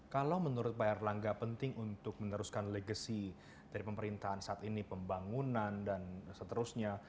kalau menurut pak erlangga penting untuk meneruskan legacy dari pemerintahan saat ini pembangunan dan seterusnya